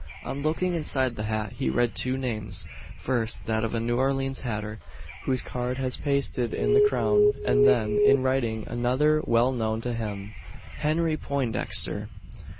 On looking inside the hat he read two names; first, that of a New Orleans hatter, whose card was pasted in the crown; and then, in writing, another well known to him: "HENRY POINDEXTER."